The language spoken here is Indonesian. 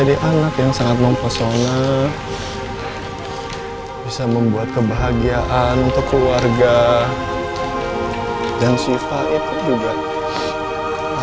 dia tetap mengerti bahwa tidak ada lestari yang tahu seribu sembilan ratus tujuh puluh lima